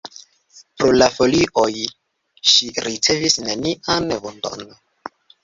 Pro la folioj ŝi ricevis nenian vundon.